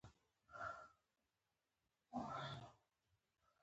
له ښـوونکو سره پر درسي پـلان او میتود کـار کول.